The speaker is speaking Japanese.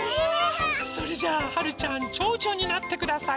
それじゃあはるちゃんちょうちょになってください。